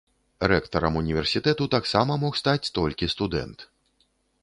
Рэктарам універсітэту таксама мог стаць толькі студэнт.